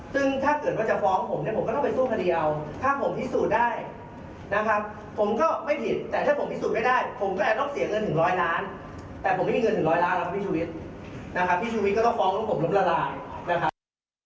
ซึ่งถ้าเกิดว่าจะฟ้องผมเนี่ยผมก็ต้องไปสู้พอดีเอา